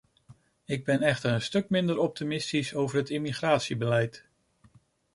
Ik ben echter een stuk minder optimistisch over het immigratiebeleid.